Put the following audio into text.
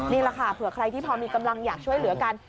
นี่แหละค่ะเผื่อใครที่พอมีกำลังอยากช่วยเหลือกัน